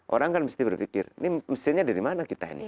orang kan mesti berpikir ini mesinnya dari mana kita ini